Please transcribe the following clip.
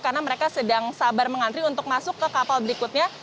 karena mereka sedang sabar mengantri untuk masuk ke kapal berikutnya